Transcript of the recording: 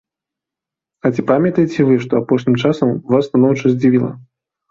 А ці памятаеце вы, што апошнім часам вас станоўча здзівіла?